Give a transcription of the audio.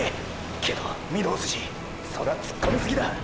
けど御堂筋そら突っ込みすぎだ！！